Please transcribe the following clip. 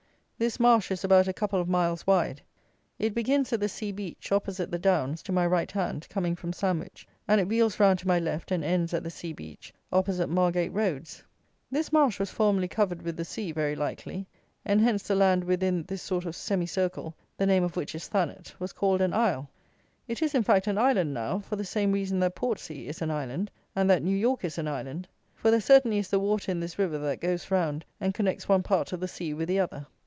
This marsh is about a couple of miles wide. It begins at the sea beach, opposite the Downs, to my right hand, coming from Sandwich, and it wheels round to my left and ends at the sea beach, opposite Margate roads. This marsh was formerly covered with the sea, very likely; and hence the land within this sort of semi circle, the name of which is Thanet, was called an Isle. It is, in fact, an island now, for the same reason that Portsea is an island, and that New York is an island; for there certainly is the water in this river that goes round and connects one part of the sea with the other.